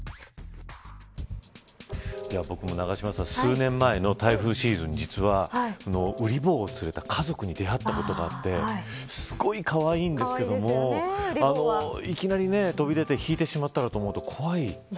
僕も、永島さん数年前の台風シーズンに実は、ウリ坊を連れた家族に出会ったことがあってすごいかわいいんですけどもいきなり飛び出てひいてしまったらと思うと怖い。